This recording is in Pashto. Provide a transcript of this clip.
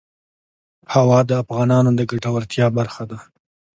هوا د افغانانو د ګټورتیا برخه ده.